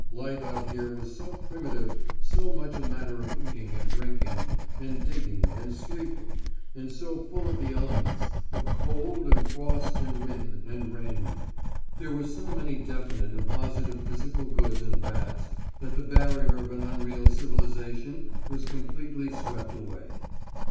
Life out here was so primitive; so much a matter of eating and drinking, and digging, and sleeping, and so full of the elements, of cold, and frost, and wind, and rain; there were so many definite and positive physical goods and bads, that the barrier of an unreal civilisation was completely swept away.